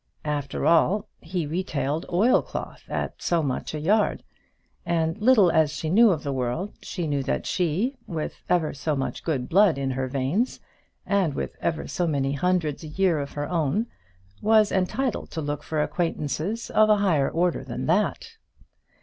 After all, he retailed oilcloth at so much a yard; and little as she knew of the world, she knew that she, with ever so much good blood in her veins, and with ever so many hundreds a year of her own, was entitled to look for acquaintances of a higher order than that.